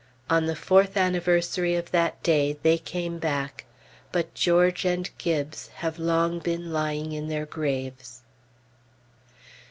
On the fourth anniversary of that day, they came back; but George and Gibbes have long been lying in their graves....